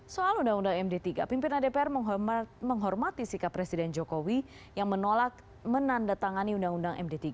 soal undang undang md tiga pimpinan dpr menghormati sikap presiden jokowi yang menolak menandatangani undang undang md tiga